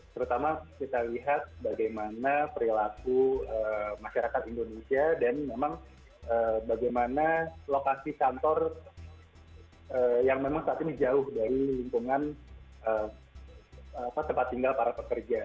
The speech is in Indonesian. terutama kita lihat bagaimana perilaku masyarakat indonesia dan memang bagaimana lokasi kantor yang memang saat ini jauh dari lingkungan tempat tinggal para pekerja